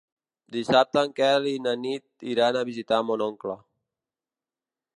Dissabte en Quel i na Nit iran a visitar mon oncle.